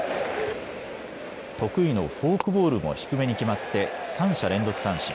得意のフォークボールも低めに決まって３者連続三振。